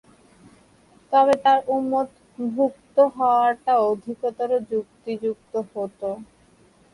তবে তাঁর উম্মতভুক্ত হওয়াটা অধিকতর যুক্তিযুক্ত হতো।